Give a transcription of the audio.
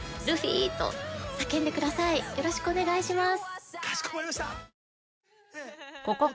よろしくお願いします。